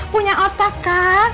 punya otak kah